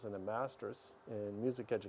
dan karakteristik itu